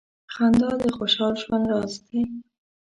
• خندا د خوشال ژوند راز دی.